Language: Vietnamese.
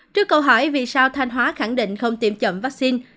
trước câu hỏi vì sao thanh hóa khẳng định không tiêm chậm vaccine